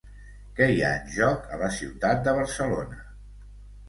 Què hi ha en joc a la ciutat de Barcelona?